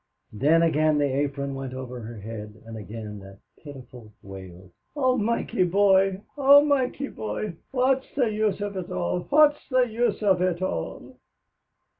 Then again the apron went over her head, and again that pitiful wail, "O Mikey boy! O Mikey boy! What's the use of it all? What's the use of it all?"